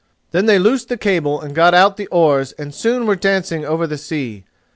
Then they loosed the cable and got out the oars and soon were dancing over the sea.